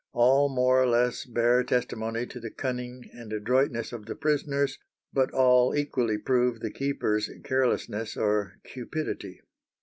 All more or less bear testimony to the cunning and adroitness of the prisoners, but all equally prove the keepers' carelessness or cupidity.